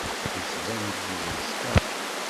Yettban-d Yuba yeskeṛ.